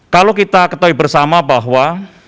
kalau kita ketahui bersama bahwa